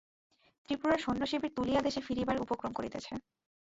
ত্রিপুরার সৈন্য শিবির তুলিয়া দেশে ফিরিবার উপক্রম করিতেছে।